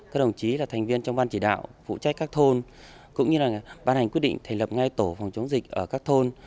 các đồng chí là thành viên trong ban chỉ đạo phụ trách các thôn cũng như là ban hành quyết định thành lập ngay tổ phòng chống dịch ở các thôn